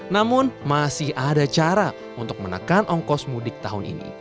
namun masih ada cara untuk menekan ongkos mudik tahun ini